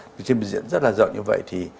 vì khi diện rất là rộng như vậy thì